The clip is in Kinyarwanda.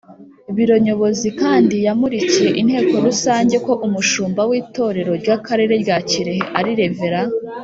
Biro Nyobozi kandi yamurikiye Inteko rusange ko Umushumba w’Itorero ry’Akarere rya Kirehe ari Rev